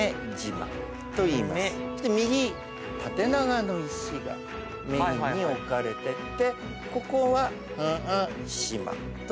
右縦長の石がメインに置かれててここは「しま」といわれて。